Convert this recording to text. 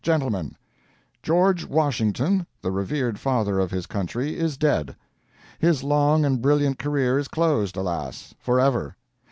'GENTLEMEN: George Washington, the revered Father of his Country, is dead. His long and brilliant career is closed, alas! forever.